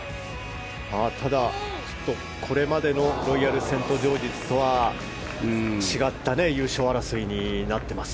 ただ、これまでのロイヤルセントジョージズとは違った優勝争いになっています。